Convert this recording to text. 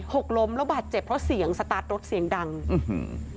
กล้มแล้วบาดเจ็บเพราะเสียงสตาร์ทรถเสียงดังอื้อหือ